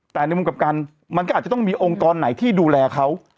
แต่ในมุมกลับกันมันก็อาจจะต้องมีองค์กรไหนที่ดูแลเขา